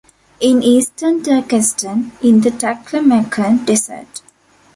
In Eastern Turkestan in the Taklamakan Desert.